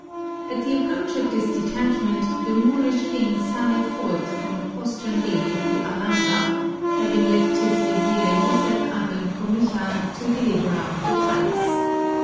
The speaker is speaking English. At the approach of this detachment, the Moorish king sallied forth from a postern gate of the Alhambra, having left his vizier Yusef Aben Comixa to deliver up the palace.